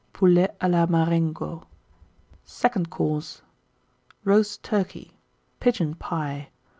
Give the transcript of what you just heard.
Poulet à la Marengo. Second Course. Roast Turkey. Pigeon Pie.